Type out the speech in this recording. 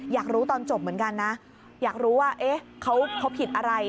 อยากรู้ตอนจบเหมือนกันนะอยากรู้ว่าเขาผิดอะไร